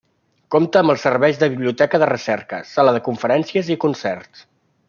Compta amb els serveis de biblioteca de recerca, sala de conferències i concerts.